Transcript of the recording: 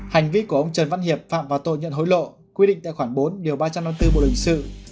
hành vi của ông trần văn hiệp phạm vào tội nhận hối lộ quyết định tại khoảng bốn ba trăm năm mươi bốn bộ luyện sự